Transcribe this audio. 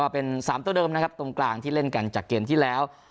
เป็น๓ตัวเดิมนะครับตรงกลางที่เล่นกันจากเกมที่แล้ว